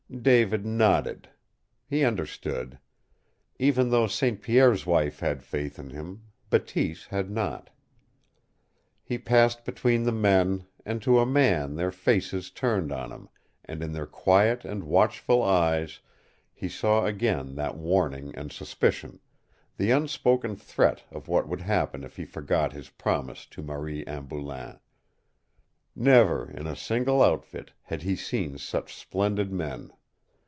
David nodded. He understood. Even though St. Pierre's wife had faith in him, Bateese had not. He passed between the men, and to a man their faces turned on him, and in their quiet and watchful eyes he saw again that warning and suspicion, the unspoken threat of what would happen if he forgot his promise to Marie Anne Boulain. Never, in a single outfit, had he seen such splendid men.